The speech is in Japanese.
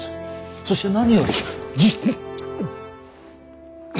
そして何よりじ。